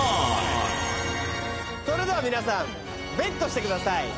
それでは皆さんベットしてください。